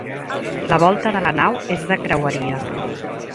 La volta de la nau és de creueria.